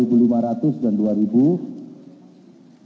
kemudian semakin berbelok ke kanan